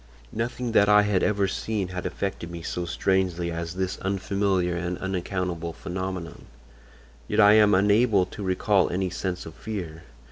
"Nothing that I had ever seen had affected me so strangely as this unfamiliar and unaccountable phenomenon, yet I am unable to recall any sense of fear.